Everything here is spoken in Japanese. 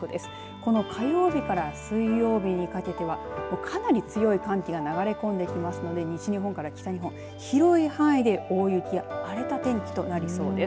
この火曜日から水曜日にかけてはかなり強い寒気が流れ込んできますので西日本から北日本、広い範囲で大雪や荒れた天気となりそうです。